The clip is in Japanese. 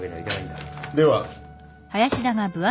では。